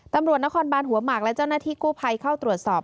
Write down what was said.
ตำรวจนครบานหัวหมากและเจ้าหน้าที่กู้ภัยเข้าตรวจสอบ